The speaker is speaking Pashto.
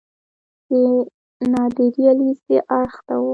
د نادریه لیسې اړخ ته و.